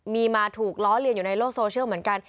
มีมาถูกล้อเลียนอยู่ในโลกโซเชียลเหมือนกัน